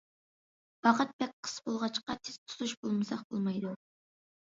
ۋاقىت بەك قىس بولغاچقا تېز تۇتۇش قىلمىساق بولمايدۇ.